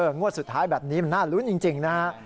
งวดสุดท้ายแบบนี้มันน่าลุ้นจริงนะฮะ